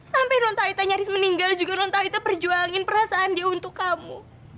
sampai nontalita nyaris meninggal juga nontalita perjuangin perasaan dia untuk kamu